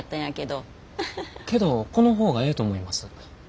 けどこの方がええと思います。